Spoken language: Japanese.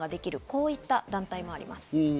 こういった団体もあります。